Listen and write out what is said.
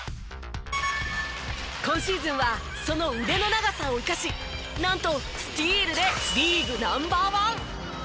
今シーズンはその腕の長さを生かしなんとスティールでリーグＮｏ．１！